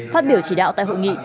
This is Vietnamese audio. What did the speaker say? phát biểu chỉ đạo tại hội nghị